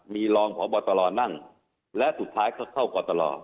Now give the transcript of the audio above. มีรองของบอตรอนั่งและสุดท้ายเขาเข้ากอตรอ